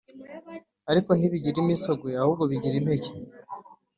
ariko ntibigira imisogwe ahubwo bigira impeke